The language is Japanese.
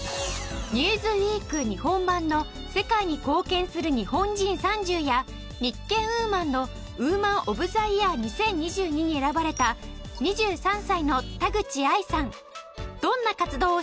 『ニューズウィーク日本版』の世界に貢献する日本人３０や『日経ＷＯＭＡＮ』のウーマン・オブ・ザ・イヤー２０２２に選ばれた２３歳の田口愛さん。